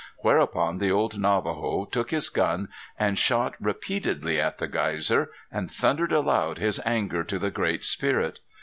Whereupon the old Navajo took his gun and shot repeatedly at the geyser, and thundered aloud his anger to the Great Spirit.